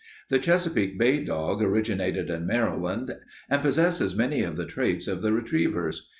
The Chesapeake Bay dog originated in Maryland and possesses many of the traits of the retrievers.